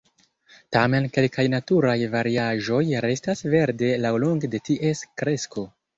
Tamen kelkaj naturaj variaĵoj restas verde laŭlonge de ties kresko.